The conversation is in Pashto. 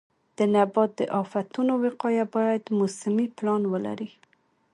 د نبات د آفتونو وقایه باید موسمي پلان ولري.